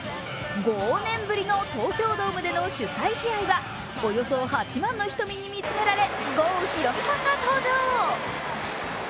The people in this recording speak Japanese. ゴー年ぶりの東京ドームでの主催試合はおよそ８万の瞳に見つめられ、郷ひろみさんが登場。